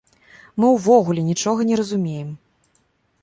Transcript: Мы ўвогуле нічога не разумеем.